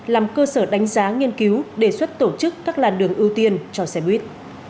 làm cơ sở đánh giá nghiên cứu đề xuất tổ chức các làn đường ưu tiên cho xe buýt